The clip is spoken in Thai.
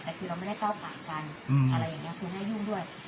แต่คือเราไม่ได้ก้าวกลายกันอะไรอย่างนี้คือให้ยุ่งด้วย